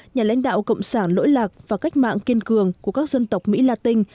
nhà lãnh đạo cộng sản lỗi lạc và cách mạng kiên cường của các dân tộc mỹ latin